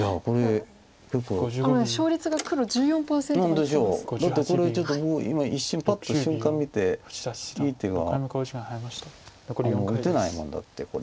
だってこれちょっと今一瞬パッと瞬間見ていい手が打てないもんだってこれ。